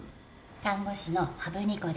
看護師の羽生仁子です。